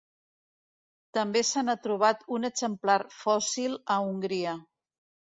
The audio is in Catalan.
També se n'ha trobat un exemplar fòssil a Hongria.